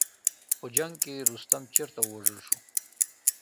په جنګ کې رستم چېرته ووژل شو.